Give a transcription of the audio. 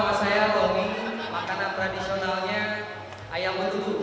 makanan tradisionalnya ayam